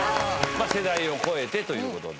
まあ世代を超えてという事で。